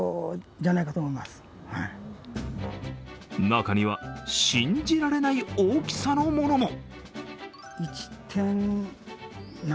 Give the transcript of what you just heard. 中には信じられない大きさのものも。